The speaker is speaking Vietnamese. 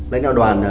đánh đoàn đoàn